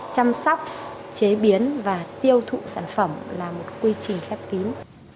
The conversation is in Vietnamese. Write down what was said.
chăm sóc chế biến và tiêu thụ sản phẩm là một quy trình khép kín